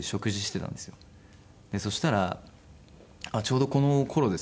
そしたらちょうどこの頃ですね。